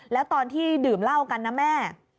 แล้วตอนที่ดื่มเหล้ากันนะแม่